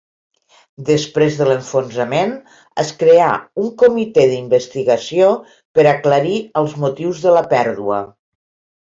Després de l'enfonsament es creà un Comitè d'Investigació per aclarir els motius de la pèrdua.